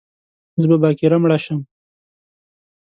زه به باکره مړه شم